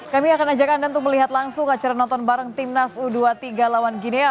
kami akan ajak anda untuk melihat langsung acara nonton bareng timnas u dua puluh tiga lawan ginea